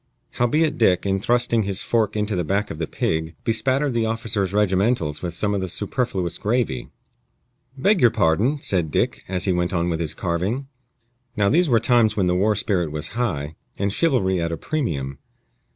Howbeit Dick, in thrusting his fork into the back of the pig, bespattered the officer's regimentals with some of the superfluous gravy. "Beg your pardon," said Dick, as he went on with his carving. Now these were times when the war spirit was high, and chivalry at a premium.